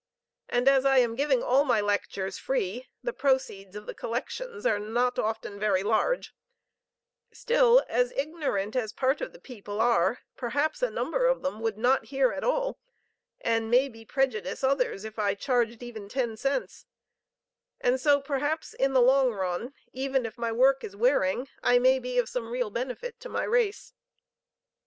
And as I am giving all my lectures free the proceeds of the collections are not often very large; still as ignorant as part of the people are perhaps a number of them would not hear at all, and may be prejudice others if I charged even ten cents, and so perhaps in the long run, even if my work is wearing, I may be of some real benefit to my race.